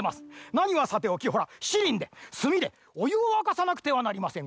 なにはさておきほらしちりんですみでおゆをわかさなくてはなりません。